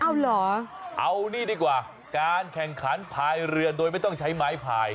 เอาเหรอเอานี่ดีกว่าการแข่งขันพายเรือโดยไม่ต้องใช้ไม้พาย